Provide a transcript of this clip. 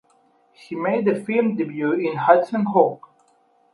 She made her film debut in "Hudson Hawk".